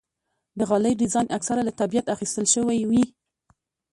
د غالۍ ډیزاین اکثره له طبیعت اخیستل شوی وي.